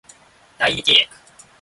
代理契約